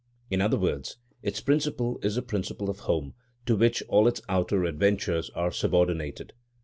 In other words, its principle is the principle of home, to which all its outer adventures are subordinated.